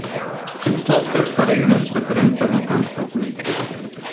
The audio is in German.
Fritz Todt selbst war regelmäßig Referent bei den Veranstaltungen.